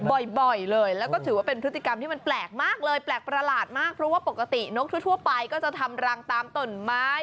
ว่เรละเบาแล้วก็ถือว่าเป็นพฤติกรรมที่มันแปลกมากเลยแปลกประหลาดมากเพราะว่า